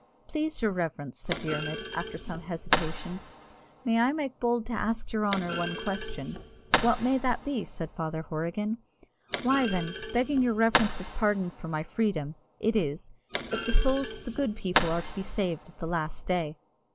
"Please your reverence," said Dermod, after some hesitation, "may I make bold to ask your honour one question?" "What may that be?" said Father Horrigan. "Why, then, begging your reverence's pardon for my freedom, it is, If the souls of the good people are to be saved at the last day?"